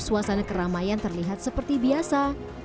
suasana keramaian terlihat seperti biasa